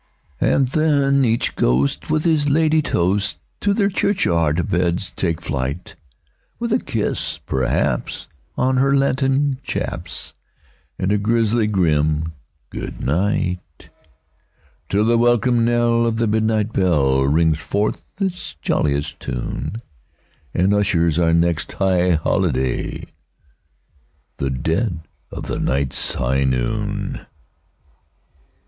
And then each ghost with his ladye toast to their churchyard beds take flight, With a kiss, perhaps, on her lantern chaps, and a grisly grim "good night"; Till the welcome knell of the midnight bell rings forth its jolliest tune, And ushers our next high holiday—the dead of the night's high noon!